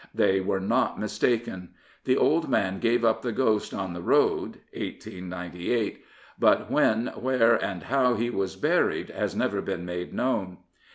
They were not mistaken. The old man gave up the ghost on the road (1898), but when, where, and how he was buried has never been made known.